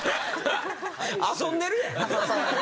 遊んでるやん。